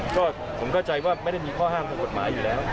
ก็ผมเข้าใจว่าไม่ได้มีข้อห้ามทางกฎหมายอยู่แล้ว